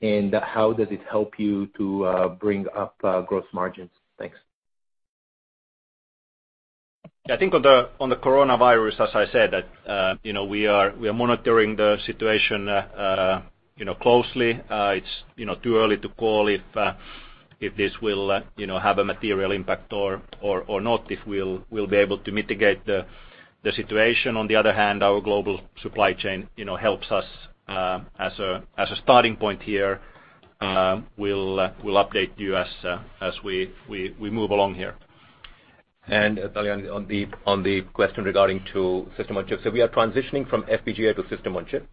and how does it help you to bring up gross margins? Thanks. I think on the coronavirus, as I said, that we are monitoring the situation closely. It's too early to call if this will have a material impact or not, if we'll be able to mitigate the situation. Our global supply chain helps us as a starting point here. We'll update you as we move along here. Tal Liani on the question regarding to system-on-chip. We are transitioning from FPGA to system-on-chip.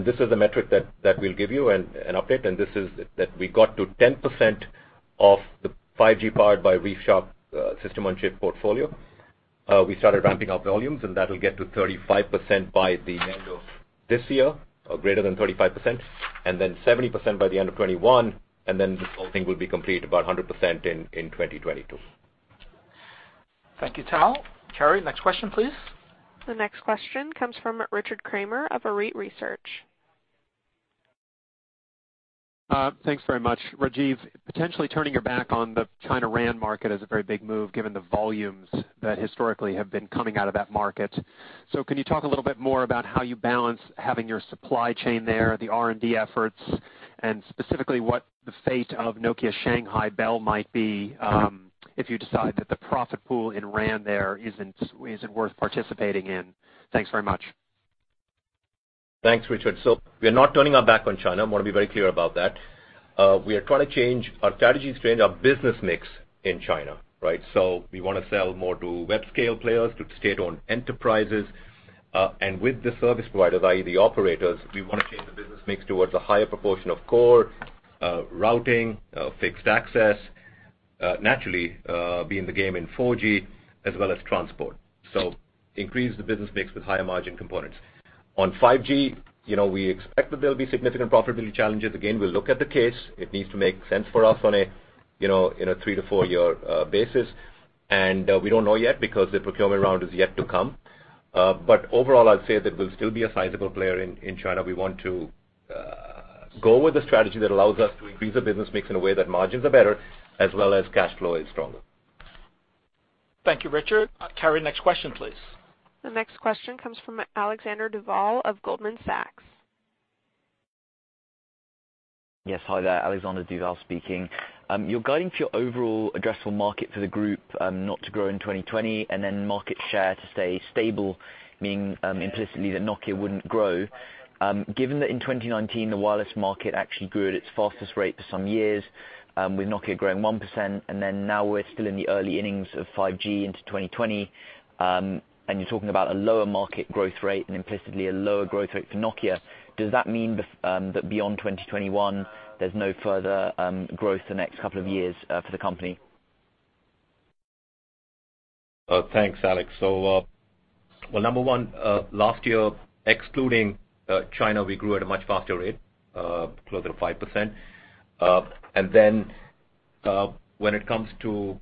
This is the metric that we'll give you an update, and this is that we got to 10% of the 5G part by ReefShark System-on-Chip portfolio. We started ramping up volumes, and that'll get to 35% by the end of this year, or greater than 35%, and then 70% by the end of 2021, and then this whole thing will be complete, about 100% in 2022. Thank you, Tal. Carrie, next question, please. The next question comes from Richard Kramer of Arete Research. Thanks very much. Rajeev, potentially turning your back on the China RAN market is a very big move given the volumes that historically have been coming out of that market. Can you talk a little bit more about how you balance having your supply chain there, the R&D efforts, and specifically what the fate of Nokia Shanghai Bell might be, if you decide that the profit pool in RAN there isn't worth participating in? Thanks very much. Thanks, Richard. We're not turning our back on China, I want to be very clear about that. We are trying to change our strategy, change our business mix in China, right? We want to sell more to web-scale players, to state-owned enterprises. With the service providers, i.e. the operators, we want to change the business mix towards a higher proportion of core routing, fixed access. Naturally, be in the game in 4G as well as transport. Increase the business mix with higher margin components. On 5G, we expect that there'll be significant profitability challenges. Again, we'll look at the case. It needs to make sense for us on a three to four year basis. We don't know yet because the procurement round is yet to come. Overall, I'd say that we'll still be a sizable player in China. We want to go with a strategy that allows us to increase the business mix in a way that margins are better, as well as cash flow is stronger. Thank you, Richard. Carrie, next question, please. The next question comes from Alexander Duval of Goldman Sachs. Yes, hi there. Alexander Duval speaking. You're guiding for your overall addressable market for the group not to grow in 2020, then market share to stay stable, meaning implicitly that Nokia wouldn't grow. Given that in 2019 the wireless market actually grew at its fastest rate for some years, with Nokia growing 1%, then now we're still in the early innings of 5G into 2020. You're talking about a lower market growth rate and implicitly a lower growth rate for Nokia. Does that mean that beyond 2021, there's no further growth the next couple of years for the company? Thanks, Alex. Number one, last year, excluding China, we grew at a much faster rate, closer to 5%. When it comes to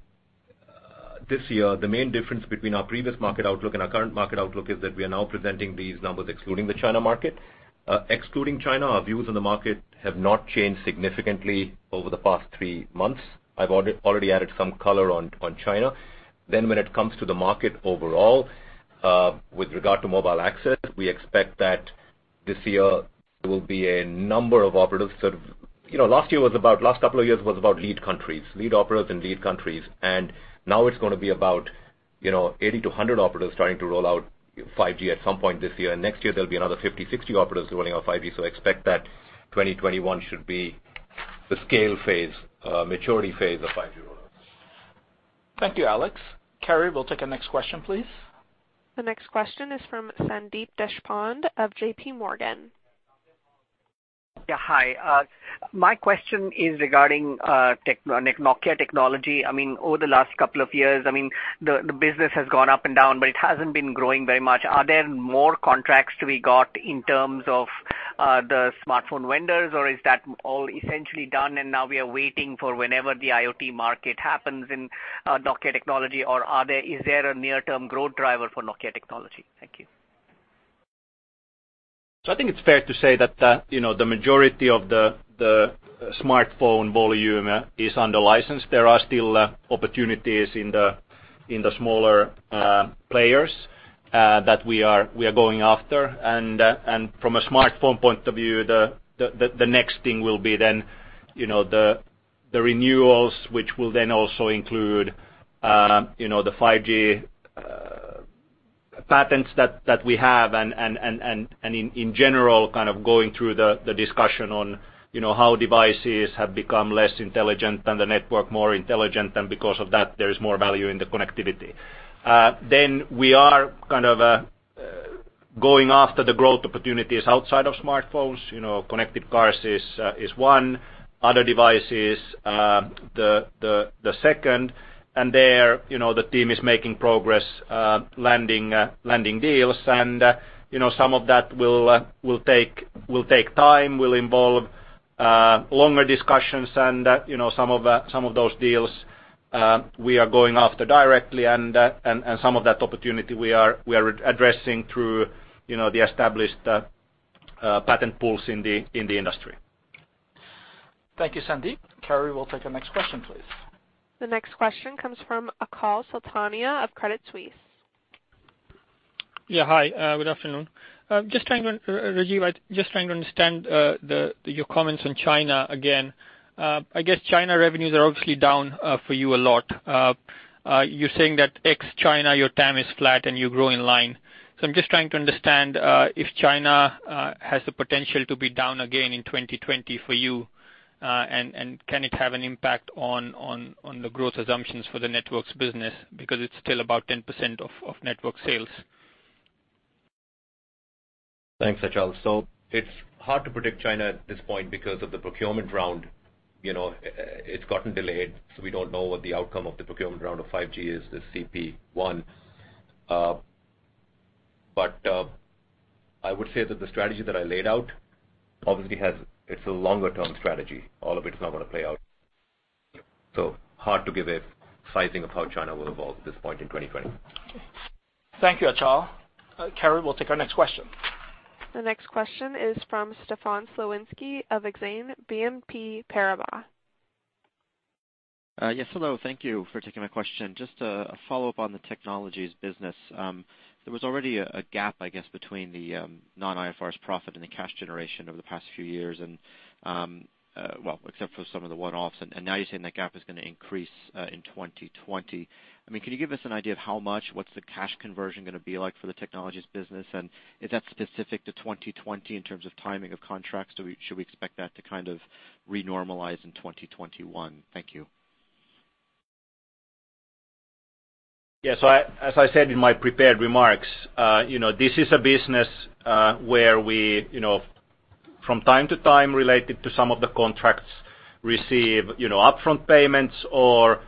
this year, the main difference between our previous market outlook and our current market outlook is that we are now presenting these numbers excluding the China market. Excluding China, our views on the market have not changed significantly over the past three months. I've already added some color on China. When it comes to the market overall, with regard to Mobile Access, we expect that this year there will be a number of operatives that—last couple of years was about lead countries, lead operatives, and lead countries. Now it's going to be about 80-100 operatives starting to roll out 5G at some point this year. Next year there'll be another 50, 60 operatives rolling out 5G. Expect that 2021 should be the scale phase, maturity phase of 5G rollouts. Thank you, Alex. Carrie, we'll take the next question, please. The next question is from Sandeep Deshpande of JPMorgan. Yeah, hi. My question is regarding Nokia Technologies. Over the last couple of years, the business has gone up and down, but it hasn't been growing very much. Are there more contracts to be got in terms of the smartphone vendors, or is that all essentially done and now we are waiting for whenever the IoT market happens in Nokia Technologies, or is there a near-term growth driver for Nokia Technologies? Thank you. I think it's fair to say that the majority of the smartphone volume is under license. There are still opportunities in the smaller players that we are going after. From a smartphone point of view, the next thing will be then the renewals, which will then also include the 5G patents that we have, and in general, kind of going through the discussion on how devices have become less intelligent and the network more intelligent, and because of that, there is more value in the connectivity. We are kind of going after the growth opportunities outside of smartphones. Connected cars is one. Other devices the second. There the team is making progress landing deals. Some of that will take time, will involve longer discussions and some of those deals we are going after directly and some of that opportunity we are addressing through the established patent pools in the industry. Thank you, Sandeep. Carrie, we'll take the next question, please. The next question comes from Achal Sultania of Credit Suisse. Yeah, hi. Good afternoon. Rajeev, just trying to understand your comments on China again. I guess China revenues are obviously down for you a lot. You're saying that ex China, your TAM is flat and you grow in line. I'm just trying to understand if China has the potential to be down again in 2020 for you. Can it have an impact on the growth assumptions for the Networks business because it's still about 10% of network sales? Thanks, Achal. It's hard to predict China at this point because of the procurement round. It's gotten delayed, so we don't know what the outcome of the procurement round of 5G is, the CP1. I would say that the strategy that I laid out, obviously it's a longer term strategy. All of it's not going to play out. Hard to give a sizing of how China will evolve at this point in 2020. Okay. Thank you, Achal. Carrie, we'll take our next question. The next question is from Stefan Slowinski of Exane BNP Paribas. Yes, hello. Thank you for taking my question. Just a follow-up on the Technologies business. There was already a gap, I guess, between the non-IFRS profit and the cash generation over the past few years, except for some of the one-offs. Now you're saying that gap is going to increase in 2020. Can you give us an idea of how much, what's the cash conversion going to be like for the Technologies business, and is that specific to 2020 in terms of timing of contracts? Should we expect that to kind of re-normalize in 2021? Thank you. As I said in my prepared remarks, this is a business where we, from time to time, related to some of the contracts, receive upfront payments or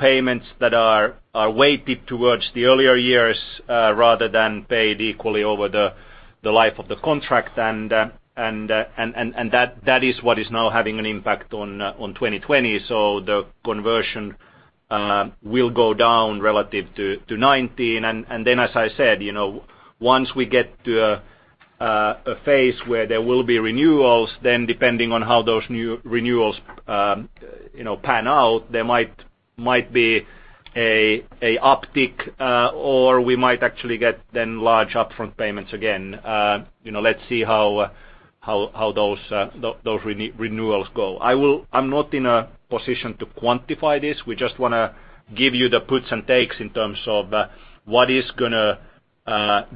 payments that are weighted towards the earlier years rather than paid equally over the life of the contract. That is what is now having an impact on 2020. The conversion will go down relative to 2019. As I said, once we get to a phase where there will be renewals, then depending on how those new renewals pan out, there might be an uptick, or we might actually get then large upfront payments again. Let's see how those renewals go. I'm not in a position to quantify this. We just want to give you the puts and takes in terms of what is going to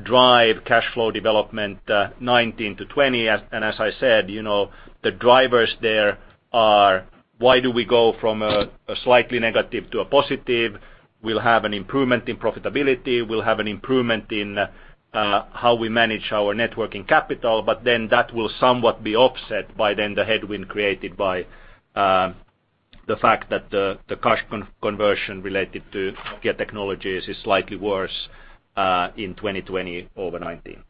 drive cash flow development 2019 to 2020. As I said, the drivers there are why do we go from a slightly negative to a positive? We'll have an improvement in profitability. We'll have an improvement in how we manage our net working capital, but then that will somewhat be offset by then the headwind created by the fact that the cash conversion related to Nokia Technologies is slightly worse in 2020 over 2019.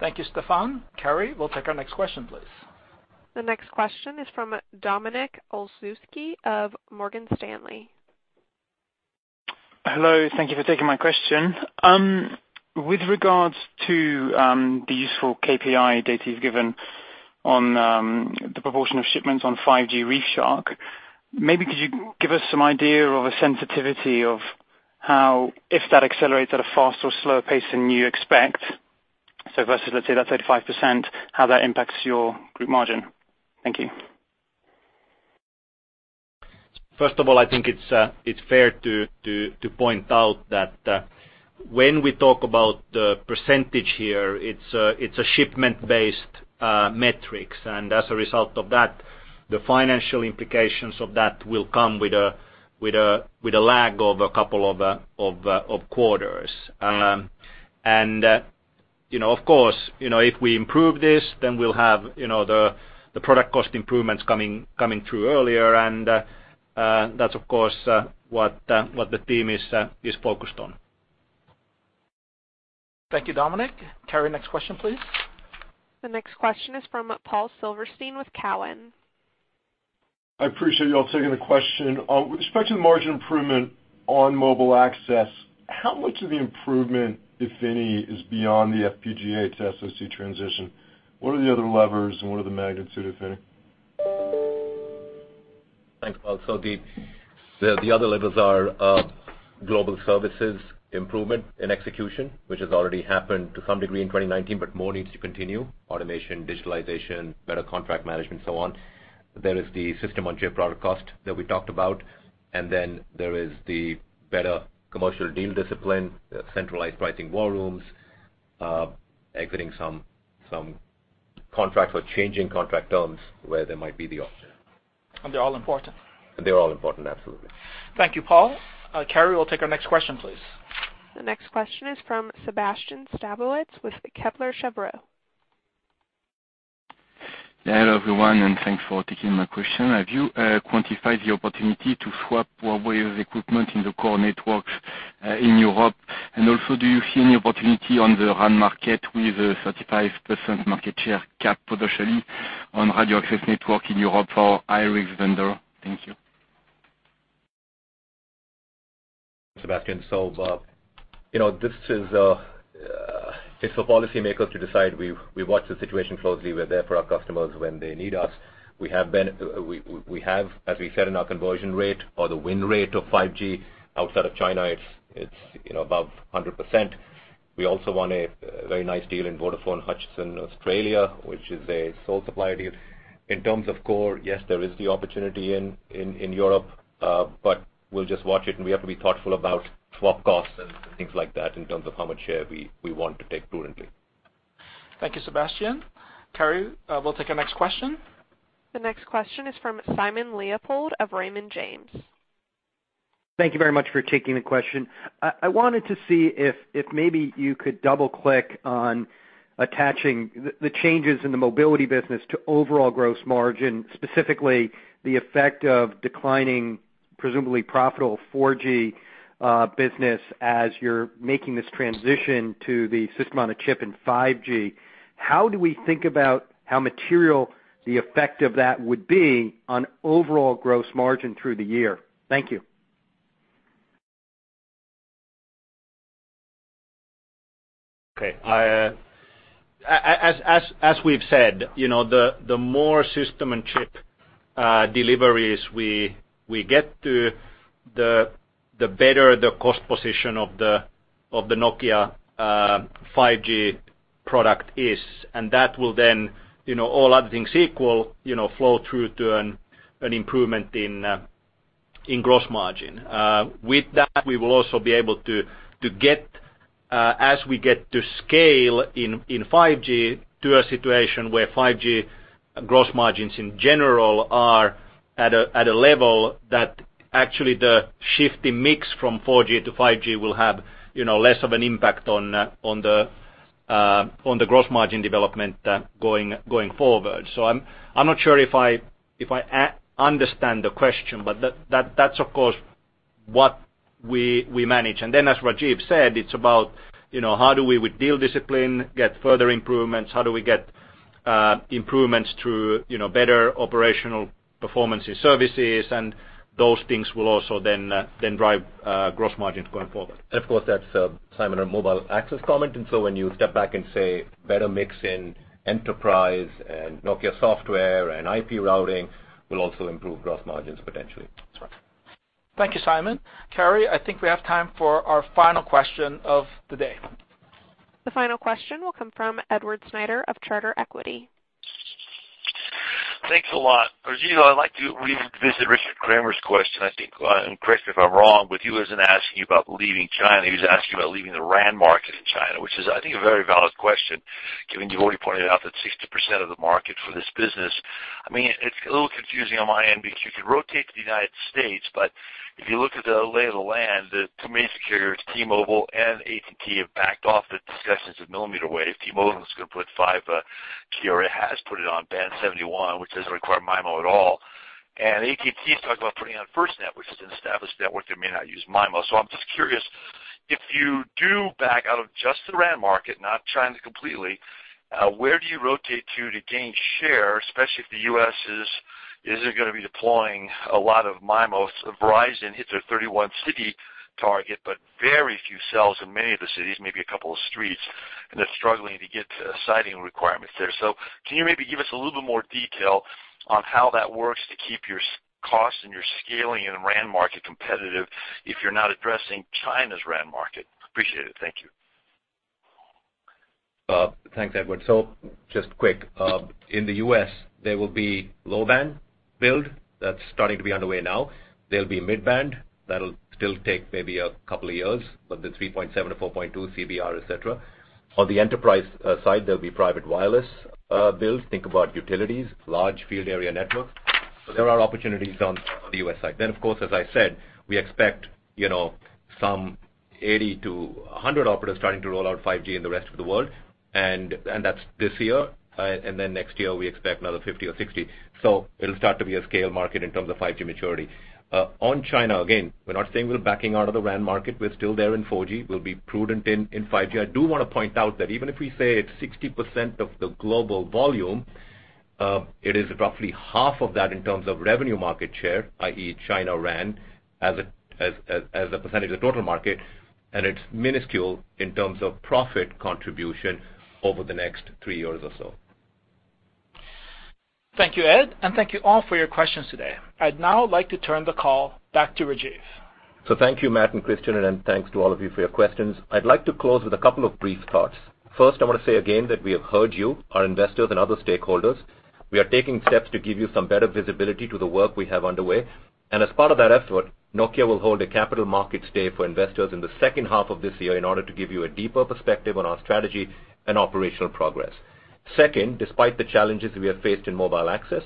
Thank you, Stefan. Carrie, we'll take our next question, please. The next question is from Dominik Olszewski of Morgan Stanley. Hello, thank you for taking my question. With regards to the useful KPI data you've given on the proportion of shipments on 5G ReefShark, maybe could you give us some idea of a sensitivity of how, if that accelerates at a faster or slower pace than you expect, so versus let's say that 35%, how that impacts your group margin? Thank you. First of all, I think it's fair to point out that when we talk about the percentage here, it's a shipment based metric. As a result of that, the financial implications of that will come with a lag of a couple of quarters. Of course, if we improve this, then we'll have the product cost improvements coming through earlier. That's of course what the team is focused on. Thank you, Dominik. Carrie, next question, please. The next question is from Paul Silverstein with Cowen. I appreciate you all taking the question. With respect to the margin improvement on Mobile Access, how much of the improvement, if any, is beyond the FPGA to SoC transition? What are the other levers and what are the magnitudes, if any? Thanks, Paul. The other levers are Global Services improvement in execution, which has already happened to some degree in 2019, but more needs to continue. Automation, digitalization, better contract management, so on. There is the system-on-chip product cost that we talked about, and then there is the better commercial deal discipline, centralized pricing war rooms, exiting some contracts or changing contract terms where there might be the option. They're all important. They're all important, absolutely. Thank you, Paul. Carrie, we'll take our next question, please. The next question is from Sébastien Sztabowicz with Kepler Cheuvreux. Hello, everyone, and thanks for taking my question. Have you quantified the opportunity to swap Huawei equipment in the core networks in Europe? Also, do you see any opportunity on the RAN market with a 35% market share cap potentially on radio access network in Europe for a single vendor? Thank you. Sébastien, this is for policymakers to decide. We watch the situation closely. We're there for our customers when they need us. We have, as we said, in our conversion rate or the win rate of 5G outside of China, it's above 100%. We also won a very nice deal in Vodafone Hutchison Australia, which is a sole supply deal. In terms of core, yes, there is the opportunity in Europe. We'll just watch it, and we have to be thoughtful about swap costs and things like that in terms of how much share we want to take prudently. Thank you, Sébastien. Carrie, we'll take our next question. The next question is from Simon Leopold of Raymond James. Thank you very much for taking the question. I wanted to see if maybe you could double-click on attaching the changes in the mobility business to overall gross margin, specifically the effect of declining, presumably profitable 4G business as you're making this transition to the system-on-chip in 5G. How do we think about how material the effect of that would be on overall gross margin through the year? Thank you. Okay. As we've said, the more system and chip deliveries we get to, the better the cost position of the Nokia 5G product is. That will then, all other things equal, flow through to an improvement in gross margin. With that, we will also be able to get, as we get to scale in 5G, to a situation where 5G gross margins in general are at a level that actually the shift in mix from 4G to 5G will have less of an impact on the gross margin development going forward. I'm not sure if I understand the question, but that's, of course, what we manage. Then, as Rajeev said, it's about how do we, with deal discipline, get further improvements? How do we get improvements through better operational performance in services? Those things will also then drive gross margins going forward. Of course, that's, Simon, a Mobile Access comment. When you step back and say better mix in Enterprise and Nokia Software and IP routing will also improve gross margins potentially. That's right. Thank you, Simon. Carrie, I think we have time for our final question of the day. The final question will come from Edward Snyder of Charter Equity. Thanks a lot. Rajeev, I'd like to revisit Richard Kramer's question. I think, correct me if I'm wrong, he wasn't asking you about leaving China. He was asking you about leaving the RAN market in China, which is, I think, a very valid question, given you've already pointed out that 60% of the market for this business. It's a little confusing on my end because you could rotate to the United States, if you look at the lay of the land, the two main carriers, T-Mobile and AT&T, have backed off of the discussions of millimeter wave. T-Mobile was going to put five. [T-Mobile] has put it on Band 71, which doesn't require MIMO at all. AT&T is talking about putting on FirstNet, which is an established network that may not use MIMO. I'm just curious, if you do back out of just the RAN market, not China completely, where do you rotate to gain share? Especially if the U.S. isn't going to be deploying a lot of MIMOs. Verizon hits a 31-city target, but very few cells in many of the cities, maybe a couple of streets, and they're struggling to get siting requirements there. Can you maybe give us a little bit more detail on how that works to keep your cost and your scaling in the RAN market competitive if you're not addressing China's RAN market? Appreciate it. Thank you. Thanks, Edward. Just quick. In the U.S., there will be low-band build that's starting to be underway now. There'll be mid-band that'll still take maybe a couple of years, but the 3.7-4.2 CBRS, et cetera. On the Enterprise side, there'll be private wireless build. Think about utilities, large field area networks. There are opportunities on the U.S. side. Of course, as I said, we expect some 80-100 operators starting to roll out 5G in the rest of the world. That's this year. Next year, we expect another 50 or 60. It'll start to be a scale market in terms of 5G maturity. On China, again, we're not saying we're backing out of the RAN market. We're still there in 4G. We'll be prudent in 5G. I do want to point out that even if we say it's 60% of the global volume, it is roughly half of that in terms of revenue market share, i.e., China RAN as a percentage of total market, and it's minuscule in terms of profit contribution over the next three years or so. Thank you, Ed, and thank you all for your questions today. I'd now like to turn the call back to Rajeev. Thank you, Matt and Kristian, and thanks to all of you for your questions. I'd like to close with a couple of brief thoughts. First, I want to say again that we have heard you, our investors and other stakeholders. We are taking steps to give you some better visibility to the work we have underway. As part of that effort, Nokia will hold a Capital Markets Day for investors in the second half of this year in order to give you a deeper perspective on our strategy and operational progress. Second, despite the challenges we have faced in Mobile Access,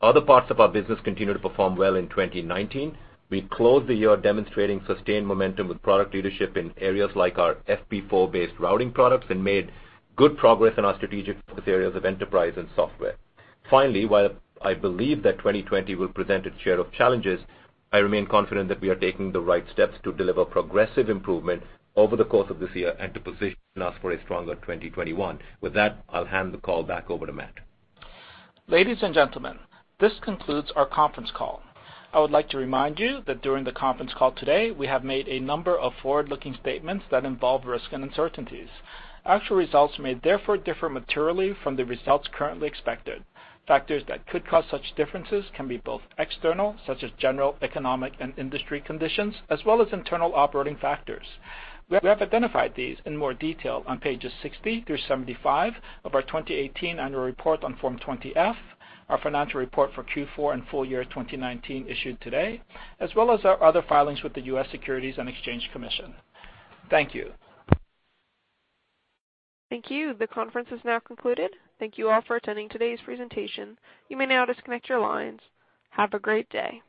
other parts of our business continue to perform well in 2019. We closed the year demonstrating sustained momentum with product leadership in areas like our FP4-based routing products and made good progress in our strategic focus areas of Enterprise and Software. Finally, while I believe that 2020 will present its share of challenges, I remain confident that we are taking the right steps to deliver progressive improvement over the course of this year and to position us for a stronger 2021. With that, I'll hand the call back over to Matt. Ladies and gentlemen, this concludes our conference call. I would like to remind you that during the conference call today, we have made a number of forward-looking statements that involve risks and uncertainties. Actual results may therefore differ materially from the results currently expected. Factors that could cause such differences can be both external, such as general economic and industry conditions, as well as internal operating factors. We have identified these in more detail on pages 60 through 75 of our 2018 annual report on Form 20-F, our financial report for Q4 and full year 2019 issued today, as well as our other filings with the U.S. Securities and Exchange Commission. Thank you. Thank you. The conference is now concluded. Thank you all for attending today's presentation. You may now disconnect your lines. Have a great day.